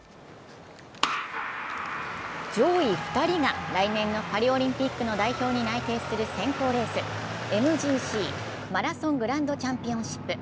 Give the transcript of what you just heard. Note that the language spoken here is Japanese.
上位２人が来年のパリオリンピックの代表に内定する選考レース、ＭＧＣ＝マラソングランドチャンピオンシップ。